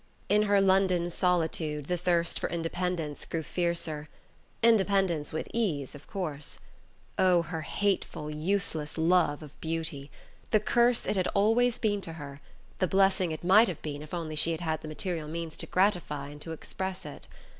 In her London solitude the thirst for independence grew fiercer. Independence with ease, of course. Oh, her hateful useless love of beauty... the curse it had always been to her, the blessing it might have been if only she had had the material means to gratify and to express it!